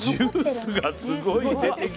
ジュースがすごい出てきて。